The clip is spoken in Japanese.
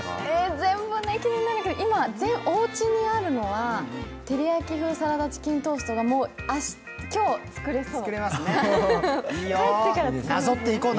全部気になるけど、今おうちにあるのは、テリヤキ風サラダチキントーストが今日作れそう。